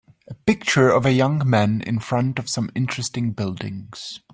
A picture of a young man in front of some interesting buildings.